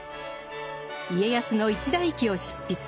家康の一代記を執筆。